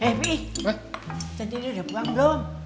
eh piyekih cendini udah pulang belum